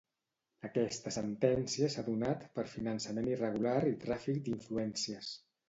Aquesta sentència s'ha donat per finançament irregular i tràfic d'influències.